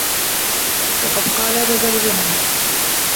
وَقَدْ قَالَ بَزَرْجَمْهَرُ